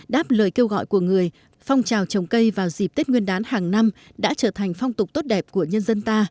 đáp lời kêu gọi của người phong trào trồng cây vào dịp tết nguyên đán hàng năm đã trở thành phong tục tốt đẹp của nhân dân ta